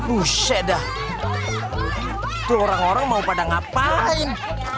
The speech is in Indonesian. usyeda orang orang mau pada ngapain